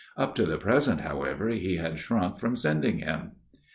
Up to the present, however, he had shrunk from sending him.